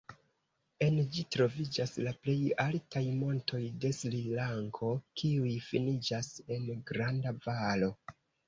En ĝi troviĝas la plej altaj montoj de Srilanko kiuj finiĝas en granda valo.